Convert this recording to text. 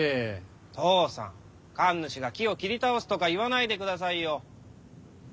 父さん神主が樹を切り倒すとか言わないでくださいよ。